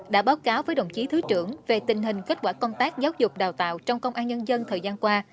đã báo cáo với đồng chí thứ trưởng về tình hình kết quả công tác giáo dục đào tạo trong công an nhân dân thời gian qua